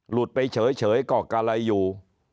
หลุดไปเฉยก็กลายอยู่